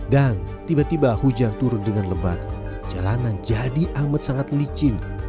dan tiba tiba hujan turun dengan lembat jalanan jadi amat sangat licin